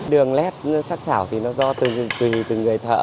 đường lét sắc xảo thì nó do từng người thợ